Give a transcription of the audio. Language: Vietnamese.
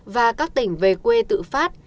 và các tỉnh về quê tự phát